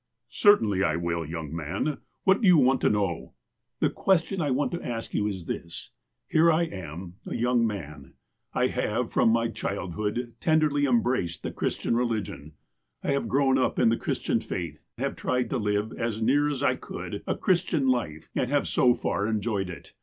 '' Certainly I will, young man. What do you want to knowl" " The question I want to ask you is this : Here I am, a young man. I have, from my childhood, tenderly em braced the Christian religion. I have grown up in the Christian faith, have tried to live, as near as I could, a Christian life, and have so far enjoyed it.